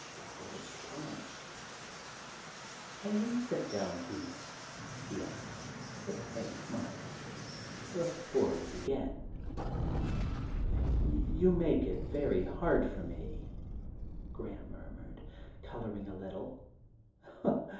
Brocklehurst paused. * Shall we sit down here,' he asked, with a faint sigh, * before we begin ?' 44 THE GARDEN GOD * You make it very hard for me,' Graham murmured, colouring a little.